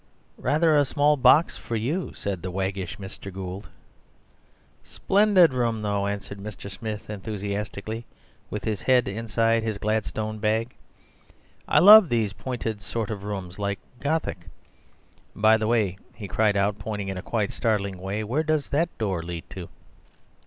"Rather a small box for you, sir," said the waggish Mr. Gould. "Splendid room, though," answered Mr. Smith enthusiastically, with his head inside his Gladstone bag. "I love these pointed sorts of rooms, like Gothic. By the way," he cried out, pointing in quite a startling way, "where does that door lead to?"